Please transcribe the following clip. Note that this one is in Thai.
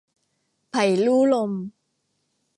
ไผ่ลู่ลม